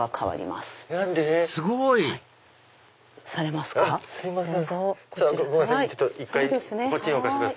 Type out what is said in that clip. すいません。